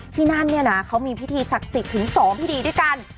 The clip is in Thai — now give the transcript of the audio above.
ที่นั่นเนี่ยนะเขามีพิธีศักดิ์สิทธิ์ถึง๒พิธีด้วยกัน